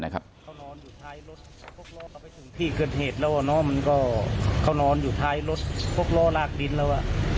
ก็เขานอนอยู่ท้ายรถพวกล่อลากดินแล้ว